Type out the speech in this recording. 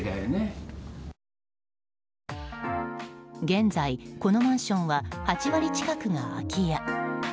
現在、このマンションは８割近くが空き家。